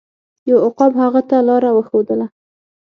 یو عقاب هغه ته لاره وښودله.